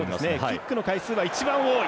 キックの回数は一番多い。